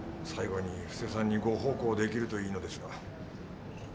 最後に布施さんにご奉公できるといいのですが。